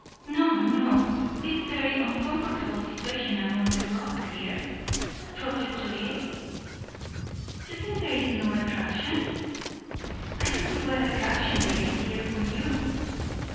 "No, no! this very uncomfortable situation among the rocks here? What drove you to it?" "You think there is no attraction?" "I don't see what attraction there is here for you."